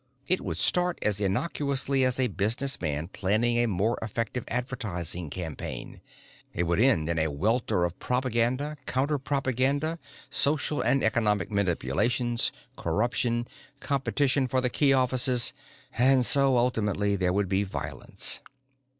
It could start as innocuously as a businessman planning a more effective advertising campaign. It would end in a welter of propaganda, counter propaganda, social and economic manipulations, corruption, competition for the key offices and so, ultimately, there would be violence.